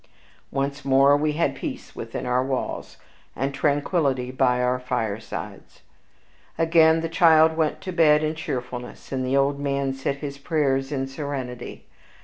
Once more we had peace within our walls, and tranquillity by our firesides. Again the child went to bed in cheerfulness, and the old man said his prayers in serenity.